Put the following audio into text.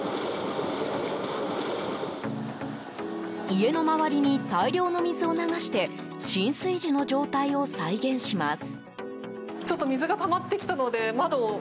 家の周りに大量の水を流して浸水時の状態を再現します。